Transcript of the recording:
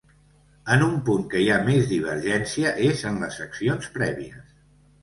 En un punt que hi ha més divergència és en les accions prèvies.